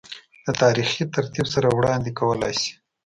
دَ تاريخي ترتيب سره وړاند ې کولے شي